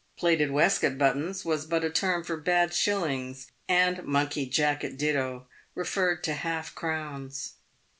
" Plated waistcoat buttons" was but a term for bad shillings, and " monkey jacket ditto" referred to half crowns.